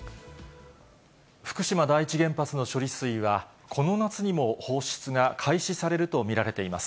福島第一原発の処理水は、この夏にも放出が開始されると見られています。